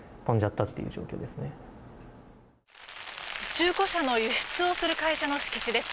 中古車の輸出する会社の敷地です。